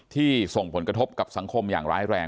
ส่งผลกระทบกับสังคมอย่างร้ายแรง